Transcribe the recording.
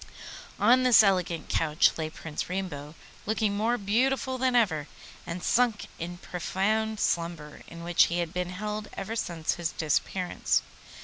On this elegant couch lay Prince Rainbow, looking more beautiful than ever, and sunk in profound slumber, in which he had been held ever since his disappearance.